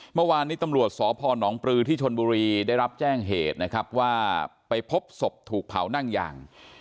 เมื่อวานนี้ตำรวจสพนปลือที่ชนบุรีได้รับแจ้งเหตุนะครับว่าไปพบศพถูกเผานั่งยาง